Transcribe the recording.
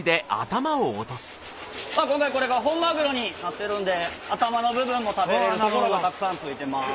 今回これが本マグロになってるんで頭の部分も食べれる所がたくさんついてます。